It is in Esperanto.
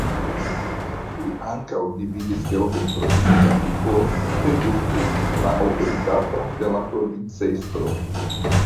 Li ankaŭ dividis kelkajn provincojn por redukti la aŭtoritaton de la provincestro.